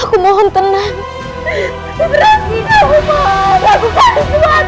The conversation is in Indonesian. aku usahakan cara yang pursuasikan